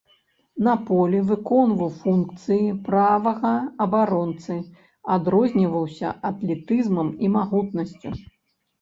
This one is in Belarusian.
На поле выконваў функцыі правага абаронцы, адрозніваўся атлетызмам і магутнасцю.